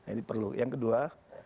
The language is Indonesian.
ini perlu yang kedua